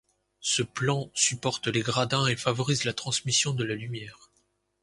Ce plan supporte les gradins et favorise la transmission de la lumière.